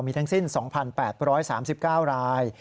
มีทั้งสิ้น๒๘๓๙ราย